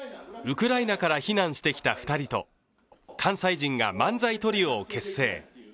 ウクライナから避難してきた２人と関西人が漫才トリオを結成。